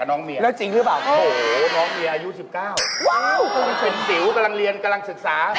มันเป็นสิวกำลังเรียนกำลังศึกษา